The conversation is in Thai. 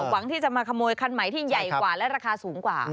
หวังที่จะมาขโมยคันใหม่ที่ใหญ่กว่าและราคาสูงกว่า